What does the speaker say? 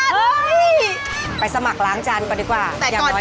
เราไปหาผ้องกินก่อนดีกว่า